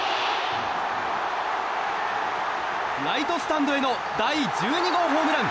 ライトスタンドへの第１２号ホームラン。